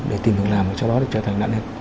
để tìm cách làm cho nó trở thành nạn nhân